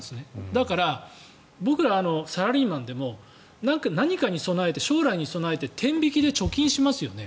だから、僕らサラリーマンでも何かに備えて、将来に備えて天引きで貯金しますよね。